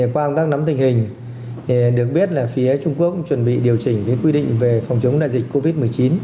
quang tác nắm tình hình được biết là phía trung quốc chuẩn bị điều chỉnh quy định về phòng chống dịch covid một mươi chín